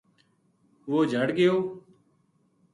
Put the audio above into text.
وہ جھڑ گیو